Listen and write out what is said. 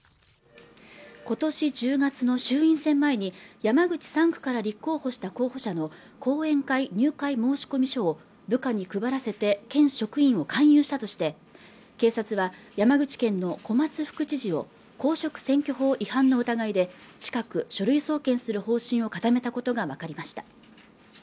ことし１０月の衆院選前に山口３区から立候補した候補者の後援会入会申込書を部下に配らせて県職員を勧誘したとして警察は山口県の小松副知事を公職選挙法違反の疑いで近く書類送検する方針を固めたことが分かりました